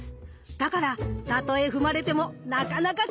だからたとえ踏まれてもなかなかちぎれない！